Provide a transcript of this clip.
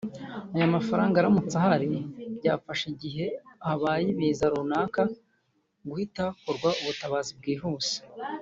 Aya mafaranga aramutse ahari byafasha igihe habaye ibiza runaka guhita hakorwa ubutabazi bwihuse